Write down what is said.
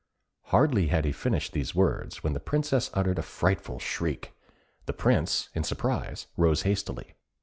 Hardly had he finished these words, when the Princess uttered a frightful shriek. The Prince, in surprise, rose hastily.